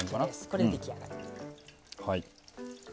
これで出来上がり。